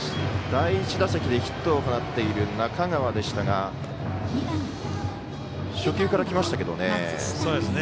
第１打席でヒットを放っている中川でしたが初球からきましたけどね。